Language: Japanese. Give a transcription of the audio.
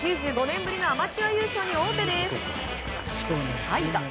９５年ぶりのアマチュア優勝に王手です。